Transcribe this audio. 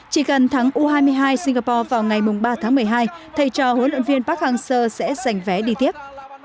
chỉ gần thắng u hai mươi hai singapore vào ngày ba tháng một mươi hai thay cho huấn luyện viên park hang seo sẽ giành vé đi tiếp